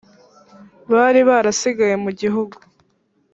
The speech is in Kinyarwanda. Bari barasigaye mu gihugu